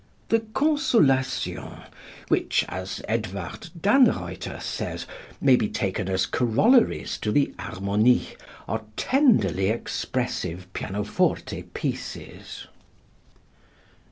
The "Consolations," which, as Edward Dannreuther says, may be taken as corollaries to the "Harmonies," are tenderly expressive pianoforte pieces.